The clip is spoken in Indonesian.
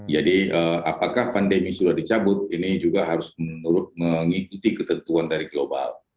jadi apakah pandemi sudah dicabut ini juga harus mengikuti ketentuan dari global